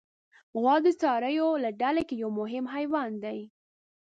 غوا د څارویو له ډله کې یو مهم حیوان دی.